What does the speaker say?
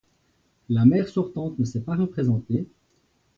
La maire sortante ne s'est pas représentée.